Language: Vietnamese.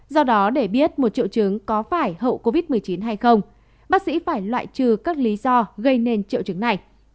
do đó để biết một triệu chứng có phải hậu covid một mươi chín hay không bác sĩ phải loại trừ các lý do gây nên triệu chứng này